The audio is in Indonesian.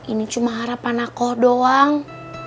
ini cuma harapan aku doang